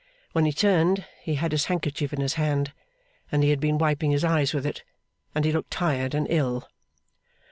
When he turned, he had his handkerchief in his hand, and he had been wiping his eyes with it, and he looked tired and ill.